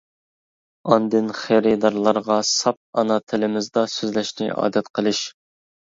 ئاندىن خېرىدارلارغا ساپ ئانا تىلىمىزدا سۆزلەشنى ئادەت قىلىش.